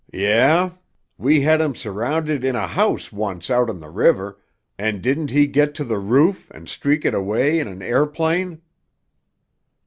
"Yeh? We had him surrounded in a house once out on the river, and didn't he get to the roof and streak it away in an aëroplane?"